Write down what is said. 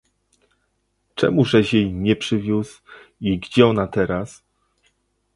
"Czemużeś jej nie przywiózł i gdzie ona teraz?"